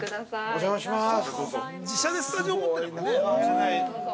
◆お邪魔します。